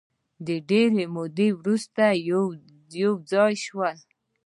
د ډېرې مودې وروسته یو ځای شول.